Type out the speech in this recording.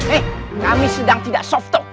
eh kami sedang tidak softo